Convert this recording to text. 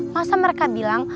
masa mereka bilang